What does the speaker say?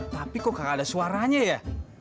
tapi kok gak ada suaranya ya